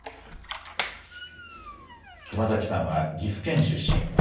熊崎さんは岐阜県出身。